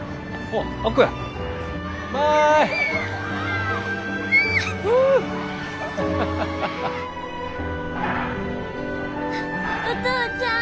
お父ちゃん。